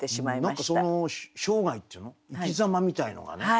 生涯っていうの生きざまみたいなのがね。